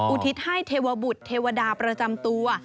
อุทิศให้เทวบุตรเทวดาประจำตัว